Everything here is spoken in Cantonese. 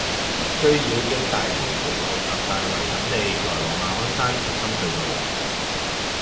須繞經大涌橋路及大圍等地來往馬鞍山及深水埗，